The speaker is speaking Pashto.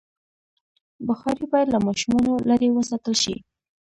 بخاري باید له ماشومانو لرې وساتل شي.